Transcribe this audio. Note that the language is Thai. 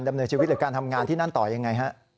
ดำเนินชีวิตหรือการทำงานที่นั่นต่อยังไงฮะ